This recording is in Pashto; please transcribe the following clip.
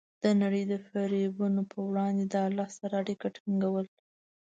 د نړۍ د فریبونو په وړاندې د الله سره د اړیکو ټینګول.